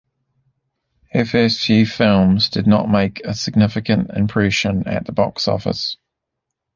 Her first few films did not make a significant impression at the box office.